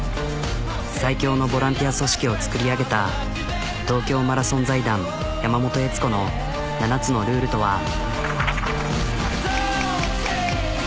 最強のボランティア組織を作り上げた東京マラソン財団山本悦子の７つのルールとは。